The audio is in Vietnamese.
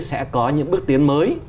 sẽ có những bước tiến mới